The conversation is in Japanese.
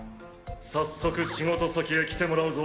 早速仕事先へ来てもらうぞ。